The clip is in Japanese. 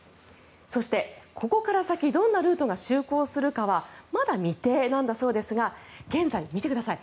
そして、ここから先どんなルートが就航するかはまだ未定なんだそうですが現在、見てください